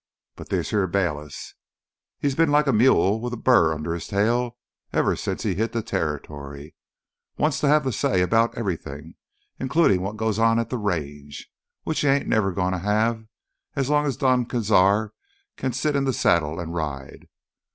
"But this here Bayliss—he's been like a mule with a burr under his tail ever since he hit th' territory. Wants to have th' say 'bout everything—includin' wot goes on at th' Range—which he ain't never goin' t' have as long as Don Cazar kin sit th' saddle an' ride.